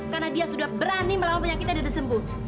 karena dia sudah berani melawan penyakitnya dan sembuh